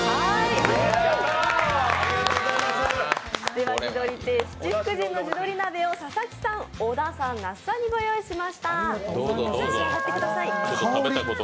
では、地鶏亭七福神の地鶏鍋を佐々木さん、小田さん、那須さんにご用意しました。